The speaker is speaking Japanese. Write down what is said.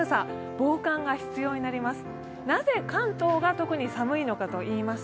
防寒が必要になります。